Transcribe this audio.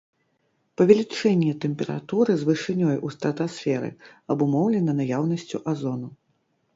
Павелічэнне тэмпературы з вышынёй у стратасферы абумоўлена наяўнасцю азону.